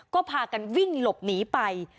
ก็พากันวิ่งหลบหนีไป